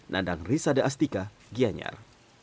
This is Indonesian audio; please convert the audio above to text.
nadang risada astika gianyar